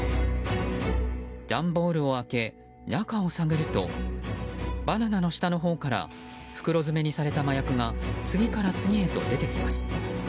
段ボールを開け、中を探るとバナナの下のほうから袋詰めにされた麻薬が次から次へと出てきます。